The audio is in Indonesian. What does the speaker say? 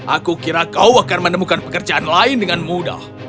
aku kira kau akan menemukan pekerjaan lain dengan mudah